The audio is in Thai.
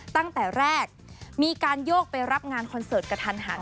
ตั้งแต่แรกมีการโยกไปรับงานคอนเสิร์ตกระทันหัน